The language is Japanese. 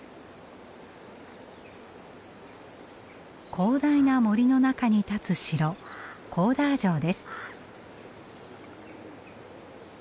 広大な森の中に立つ城コーダー城です。